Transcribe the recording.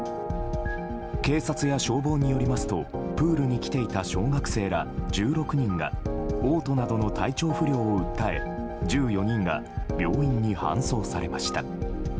警察や消防によりますとプールに来ていた小学生ら１６人が嘔吐などの体調不良を訴え１４人が病院に搬送されました。